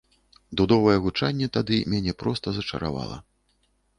Дудовае гучанне тады мяне проста зачаравала.